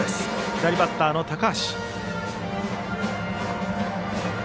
左バッターの高橋。